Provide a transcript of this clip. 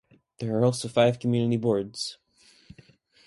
There are also five community boards.